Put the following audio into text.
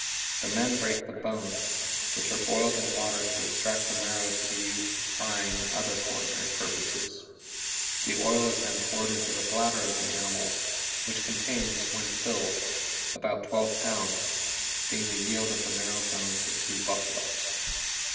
The men break the bones, which are boiled in water to extract the marrow to be used for frying and other culinary purposes. The oil is then poured into the bladder of the animal, which contains, when filled, about 12 pounds, being the yield of the marrow bones of two buffaloes."